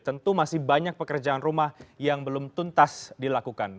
tentu masih banyak pekerjaan rumah yang belum tuntas dilakukan